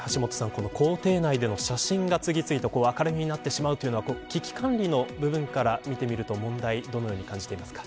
この公邸内での写真が次々と明るみになってしまうというのは危機管理の部分から見てみると問題どのように感じていますか。